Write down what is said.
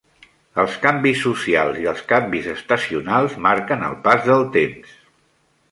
Els canvis socials i els canvis estacionals marquen el pas del temps.